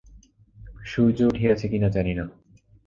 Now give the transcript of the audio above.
সূর্য উঠিয়াছে কি না জানি না।